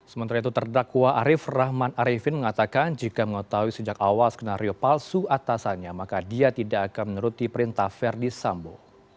sementara itu terdakwa arief rahman arifin mengatakan jika mengetahui sejak awal skenario palsu atasannya maka dia tidak akan menuruti perintah verdi sambo